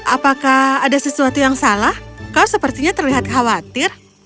apakah ada sesuatu yang salah kau sepertinya terlihat khawatir